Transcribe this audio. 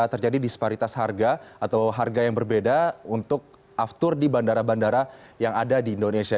terjadi disparitas harga atau harga yang berbeda untuk aftur di bandara bandara yang ada di indonesia